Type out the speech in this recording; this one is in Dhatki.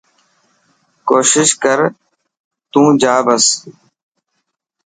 ڪوشش ڪر تو جا بس.